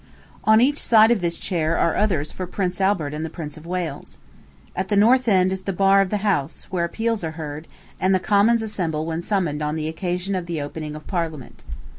On each side of this chair are others for Prince Albert and the Prince of Wales. At the north end is the bar of the house, where appeals are heard, and the Commons assemble when summoned on the occasion of the opening of Parliament.